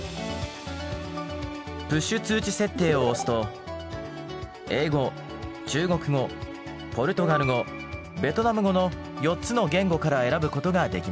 プッシュ通知設定を押すと英語中国語ポルトガル語ベトナム語の４つの言語から選ぶことができます。